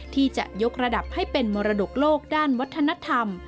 ที่จะยกระดับให้เป็นมรดกโลกด้านวัฒนธรรม